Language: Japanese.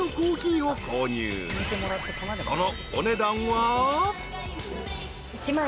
［その］